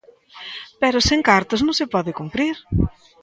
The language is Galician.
Pero sen cartos non se pode cumprir.